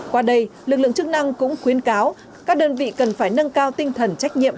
qua đây lực lượng chức năng cũng khuyến cáo các đơn vị cần phải nâng cao tinh thần trách nhiệm